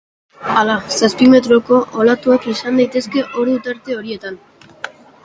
Hala, zazpi metroko olatuak izan daitezke ordu tarte horietan.